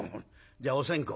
じゃあお線香。